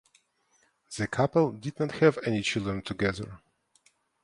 The couple did not have any children together.